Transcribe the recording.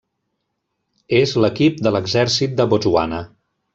És l'equip de l'exèrcit de Botswana.